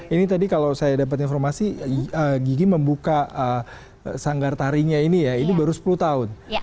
ini tadi kalau saya dapat informasi gigi membuka sanggar tarinya ini ya ini baru sepuluh tahun